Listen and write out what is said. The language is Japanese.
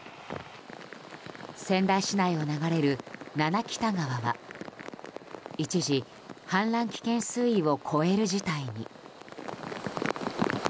仙台市内を流れる七北田川は一時、氾濫危険水位を超える事態に。